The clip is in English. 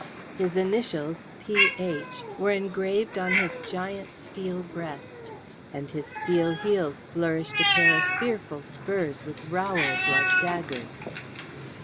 His initials, "P.H.," were engraved on his giant steel breast, and his steel heels flourished a pair of fearful spurs, with rowels like daggers.